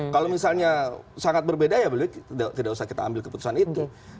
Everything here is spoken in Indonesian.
kalau misalnya sangat berbeda ya tidak usah kita ambil keputusan itu